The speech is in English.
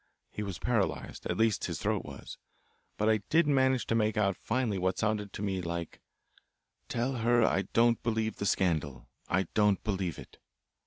He was paralysed, at least his throat was. But I did manage to make out finally what sounded to me like, 'Tell her I don't believe the scandal, I don't believe it.'